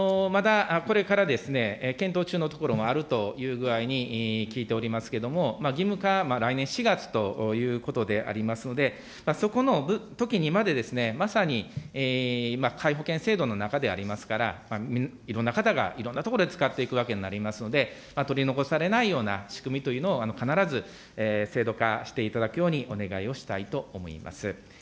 まだ、これから検討中のところもあるという具合に聞いておりますけれども、義務化、来年４月ということでありますので、そこのときにまで、まさに、皆保険制度の中でありますから、いろんな方がいろんなところで使っていくわけになりますので、取り残されないような仕組みというのを、必ず制度化していただくように、お願いをしたいと思います。